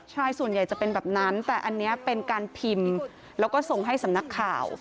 ใช่ส่วนใหญ่จะเป็นแบบนั้นแต่อันนี้เป็นการพิมพ์แล้วก็ส่งให้สำนักข่าว